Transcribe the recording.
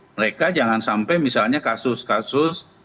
mereka jangan sampai misalnya kasus kasus